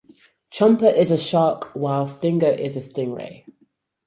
Chomper is a shark while Stingo is a stingray.